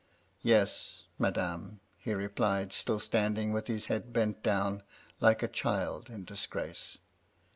"* Yes, madame,' he replied, still standing with his head bent down, like a child in disgrace.